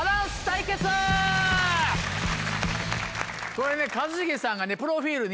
これね。